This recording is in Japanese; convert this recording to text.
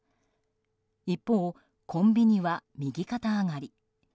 一方、コンビニは右肩上がり。